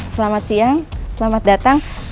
selamat siang selamat datang